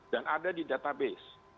dan ada di database